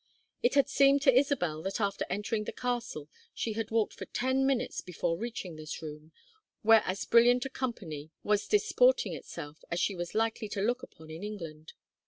It had seemed to Isabel that after entering the castle she had walked for ten minutes before reaching this room, where as brilliant a company was disporting itself as she was likely to look upon in England.